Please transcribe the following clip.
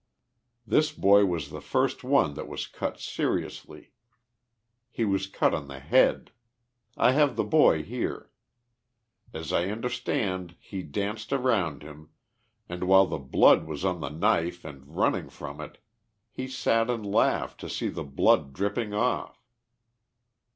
This boy was the first one that was cut seriously. He was cut on the head. I have the boy here. As I understand he danced around him, and while the blood was on the knife and running from it, lie sat and laughed to see the blood dripping off.